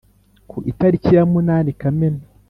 ku itariki ya munani kamena